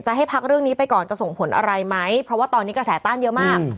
ให้พักเรื่องนี้ไปก่อนจะส่งผลอะไรไหมเพราะว่าตอนนี้กระแสต้านเยอะมาก